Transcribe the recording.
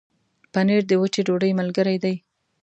پنېر د وچې ډوډۍ ملګری دی.